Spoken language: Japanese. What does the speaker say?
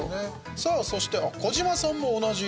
さあ、そして児嶋さんも同じ。